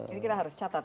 ini kita harus catat